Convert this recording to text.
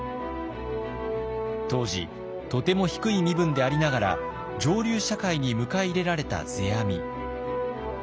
当時とても低い身分でありながら上流社会に迎え入れられた世阿弥。